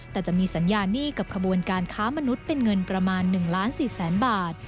แต่จะมีสัญญาหนี้กับขบวนการค้ามนุษย์เป็นเงินประมาณ๑ล้าน๔แสนบาท